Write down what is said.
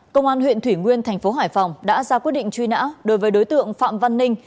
công an huyện thủy nguyên thành phố hải phòng đã ra quyết định truy nã đối với đối tượng phạm văn ninh